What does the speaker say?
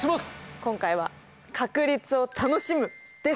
今回は「確率を楽しむ」です。